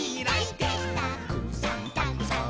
「たくさんたくさん」